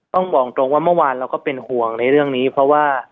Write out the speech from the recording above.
ต้องบอกตรงว่าเมื่อวานเราก็เป็นห่วงในเรื่องนี้เพราะว่า